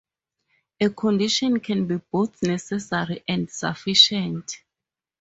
A condition can be both necessary and sufficient.